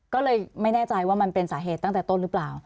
ก็เลยไม่แน่ใจว่ามันเป็นสาเหตุตั้งแต่ต้นหรือเปล่า